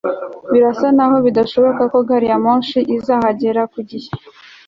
birasa nkaho bidashoboka ko gari ya moshi izahagera ku gihe